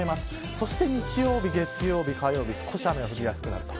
そして日曜日、月曜日、火曜日少し雨が降りやすくなります。